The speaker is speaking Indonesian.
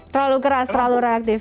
terlalu keras terlalu reaktif